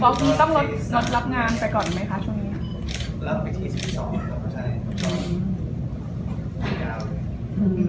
ครับครับซูนะซู